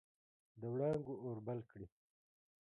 د وړانګو اور بل کړي